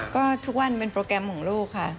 ก็ทุกวันเป็นโปรแกรมของลูกค่ะ